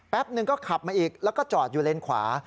หนึ่งก็ขับมาอีกแล้วก็จอดอยู่เลนขวา